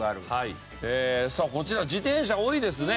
さあこちら自転車多いですね。